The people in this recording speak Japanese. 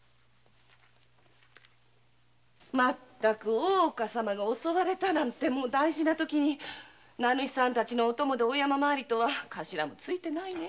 大岡様が襲われた大事な時に名主さんたちのお供で大山参りとは頭もツイてないねえ。